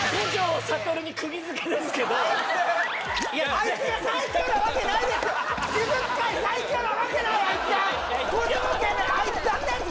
あいつが最強なわけないですよあんなやつ